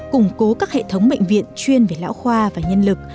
củng cố các hệ thống bệnh viện chuyên về lão khoa và nhân lực